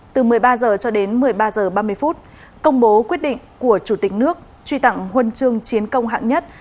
từ một mươi ba h cho đến một mươi ba h ba mươi công bố quyết định của chủ tịch nước truy tặng huân chương chiến công hạng nhất